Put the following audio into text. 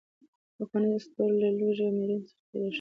پخوانۍ اسطورې له لوږې او مړینې څخه پیدا شوې دي.